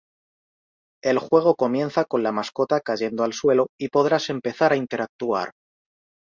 El juego comienza con la mascota cayendo al suelo y podrás empezar a interactuar.